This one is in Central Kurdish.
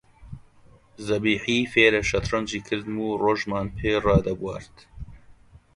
زەبیحی فێرە شەترەنجی کردم و ڕۆژمان پێ ڕادەبوارد